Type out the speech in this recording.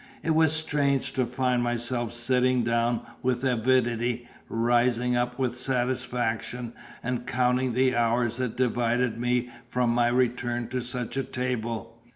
It was strange to find myself sitting down with avidity, rising up with satisfaction, and counting the hours that divided me from my return to such a table.